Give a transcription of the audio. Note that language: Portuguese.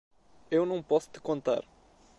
Eu não posso te contar.